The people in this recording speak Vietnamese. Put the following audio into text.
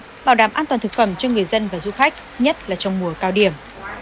nhiều biện pháp bảo đảm an toàn thực phẩm cho người dân và du khách nhất là trong mùa cao điểm